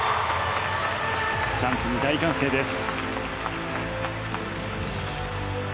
ジャンプに大歓声です。